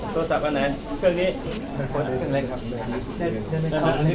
โทรศัพท์อันไหนเครื่องนี้